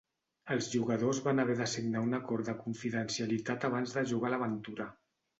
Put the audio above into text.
Els jugadors van haver de signar un acord de confidencialitat abans de jugar l'aventura.